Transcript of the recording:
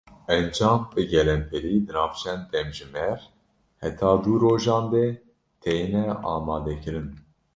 Encam bi gelemperî di nav çend demjimêr heta du rojan de têne amadekirin.